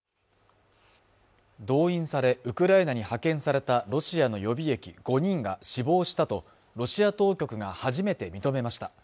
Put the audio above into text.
動員されウクライナに派遣されたロシアの予備役５人が死亡したとロシア当局が初めて認めました